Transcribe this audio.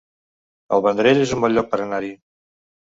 El Vendrell es un bon lloc per anar-hi